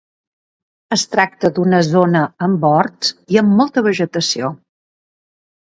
Es tracta d’una zona amb horts i amb molta vegetació.